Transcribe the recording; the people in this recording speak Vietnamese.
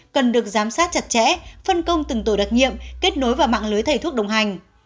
cần được giám sát chặt chẽ phân công từng tổ đặc nhiệm kết nối vào mạng lưới thầy thuốc đồng hành